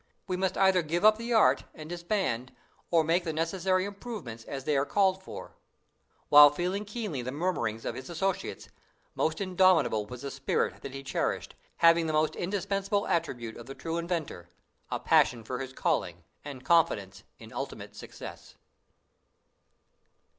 We must either give up the art, and disband, or make the necessary improvements as they are called for." While feeling keenly the murmurings of his associates, most indomitable was the spirit that he cherished, having the indispensable attribute of the true inventor, a passion for his calling, and confidence in ultimate success.